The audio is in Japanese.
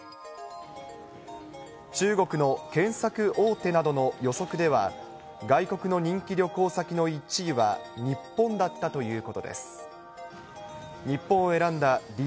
中国の検索大手などの予測では、外国の人気旅行先の１位は日本だったということです。